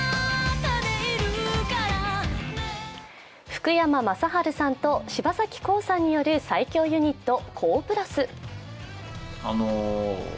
福山雅治さんと柴咲コウさんによる最強ユニット・ＫＯＨ＋。